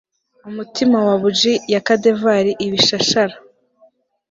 umutima wa buji ya cadaver ibishashara